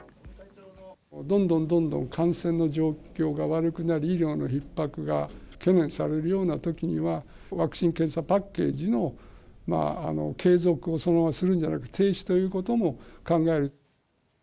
どんどんどんどん感染の状況が悪くなり、医療のひっ迫が懸念されるようなときには、ワクチン・検査パッケージの継続をそのままするんじゃなくて、停止ということも考える。